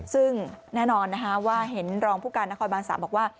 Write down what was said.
ซึ่งแน่นอนนะคะว่าเห็นรองผู้การนครบาน๓บอกว่า